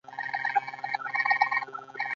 نوي ماشینونه.